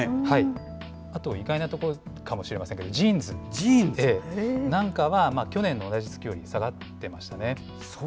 あと意外なところかもしれませんけど、ジーンズなんかは、去年の同じ月より下がってましたね。